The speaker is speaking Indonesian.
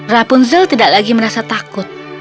rapunzel tidak lagi merasa takut